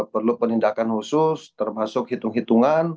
perlu penindakan khusus termasuk hitung hitungan